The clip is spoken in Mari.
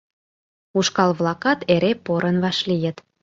Ушкал-влакат эре порын вашлийыт.